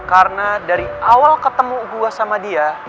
karena dari awal ketemu gua sama dia